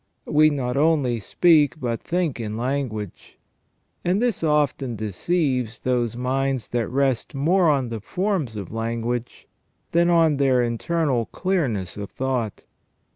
We not only speak but think in language, and this often deceives those minds that rest more on the forms of language than on their internal clearness of thought.